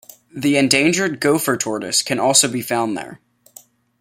The endangered gopher tortoise can also be found there.